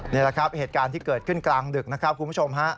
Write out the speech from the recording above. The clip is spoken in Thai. นี่แหละครับเหตุการณ์ที่เกิดขึ้นกลางดึกนะครับคุณผู้ชมฮะ